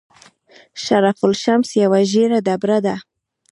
شرف الشمس یوه ژیړه ډبره ده.